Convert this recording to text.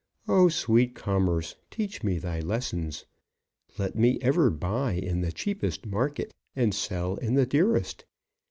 O sweet Commerce, teach me thy lessons! Let me ever buy in the cheapest market and sell in the dearest.